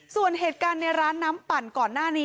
ส่วนเหตุการณ์ในร้านน้ำปั่นก่อนหน้านี้